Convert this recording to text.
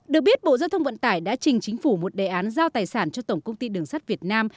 được biết bộ giao thông vận tải đã trình chính phủ một đề án giao tài sản cho tổng công ty đường sắt việt nam